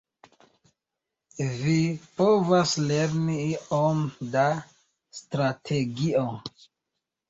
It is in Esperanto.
Vi povas lerni iom da strategio.